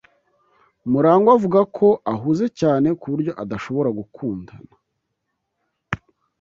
Murangwa avuga ko ahuze cyane ku buryo adashobora gukundana.